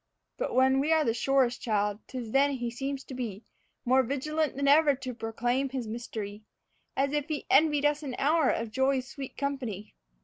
But when we are the surest, child, 'tis then he seems to be More vigilant than ever to proclaim his mystery, As if he envied us an hour of joy's sweet company.